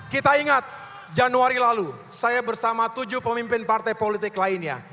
kita ingat januari lalu saya bersama tujuh pemimpin partai politik lainnya